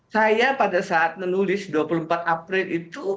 saya pada saat menulis dua puluh empat april itu